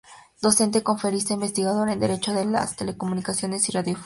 Docente, conferencista e investigadora en Derecho de las Telecomunicaciones y Radiodifusión.